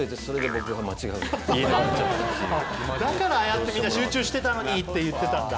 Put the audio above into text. あっだからああやってみんな「集中してたのに」って言ってたんだ。